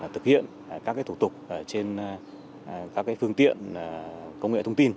thực hiện các thủ tục trên các phương tiện công nghệ thông tin